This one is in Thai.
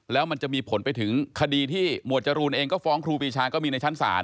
แล้วมันจะมีผลไปถึงคดีที่หมวดจรูนเองก็ฟ้องครูปีชาก็มีในชั้นศาล